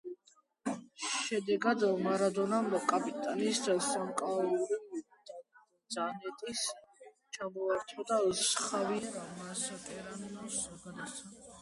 შედეგად, მარადონამ კაპიტანის სამკლაური ძანეტის ჩამოართვა და ხავიერ მასკერანოს გადასცა.